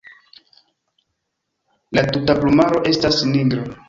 La tuta plumaro estas nigra.